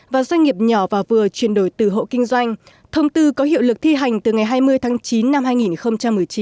và doanh nghiệp nhỏ và vừa chuyển đổi từ hộ kinh doanh thông tư có hiệu lực thi hành từ ngày hai mươi tháng chín năm hai nghìn một mươi chín